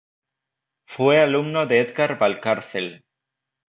Fue alumno de Edgar Valcárcel.